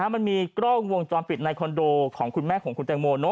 มันมีกล้องวงจรปิดในคอนโดของคุณแม่ของคุณแตงโม